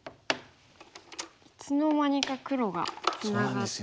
いつの間にか黒がツナがって。